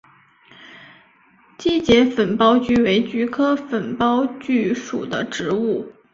基节粉苞菊为菊科粉苞苣属的植物。